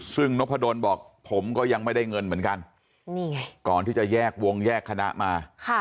ซึ่งนพดลบอกผมก็ยังไม่ได้เงินเหมือนกันนี่ไงก่อนที่จะแยกวงแยกคณะมา